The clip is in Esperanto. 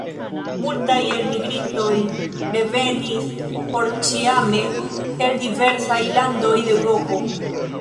Multaj elmigrintoj revenis porĉiame el diversaj landoj de Eŭropo.